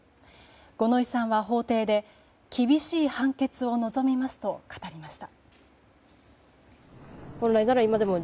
五ノ井さんは法廷で厳しい判決を望みますと語りました。